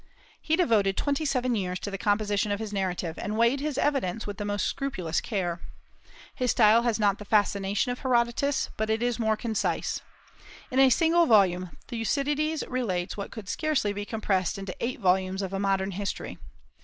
He devoted twenty seven years to the composition of his narrative, and weighed his evidence with the most scrupulous care. His style has not the fascination of Herodotus, but it is more concise. In a single volume Thucydides relates what could scarcely be compressed into eight volumes of a modern history.